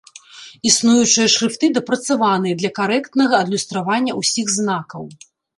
Існуючыя шрыфты дапрацаваныя для карэктнага адлюстравання ўсіх знакаў.